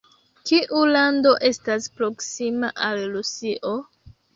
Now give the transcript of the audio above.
Kiu lando estas proksima al Rusio?